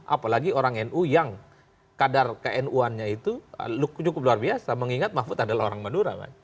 apalagi orang nu yang kadar knu annya itu cukup luar biasa mengingat mafud adalah orang bandura